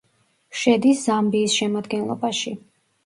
შედის ზამბიის შემადგენლობაში.